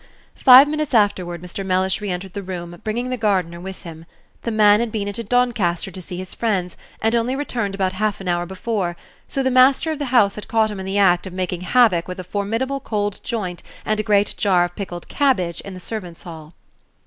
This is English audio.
Five minutes afterward Mr. Mellish re entered the room, bringing the gardener with him. The man had been into Doncaster to see his friends, and only returned about half an hour before; so the master of the house had caught him in the act of making havoc with a formidable cold joint, and a great jar of pickled cabbage, in the servants' hall.